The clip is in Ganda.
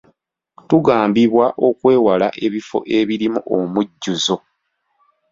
Tugambibwa okwewala ebifo ebirimu omujjuzo.